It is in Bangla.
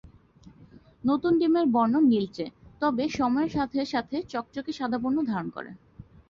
নতুন ডিমের বর্ণ নীলচে, তবে সময়ের সাথে সাথে চকচকে সাদা বর্ণ ধারণ করে।